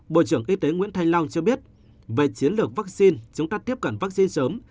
bộ trưởng y tế nguyễn thanh long cho biết về chiến lược vắc xin chúng ta tiếp cận vắc xin sớm